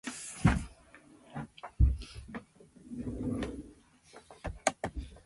ルイボスティー